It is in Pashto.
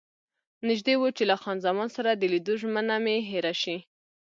نژدې وو چې له خان زمان سره د لیدو ژمنه مې هېره شي.